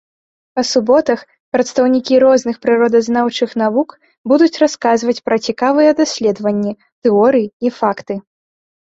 Па суботах прадстаўнікі розных прыродазнаўчых навук будуць расказваць пра цікавыя даследаванні, тэорыі і факты.